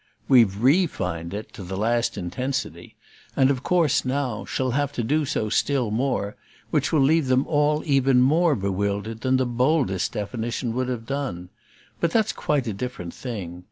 We've REfined it, to the last intensity and of course, now, shall have to do so still more; which will leave them all even more bewildered than the boldest definition would have done. But that's quite a different thing.